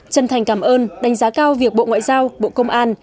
chân thành cảm ơn đánh giá cao việc bộ ngoại giao bộ công an